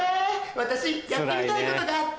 私やってみたいことがあって。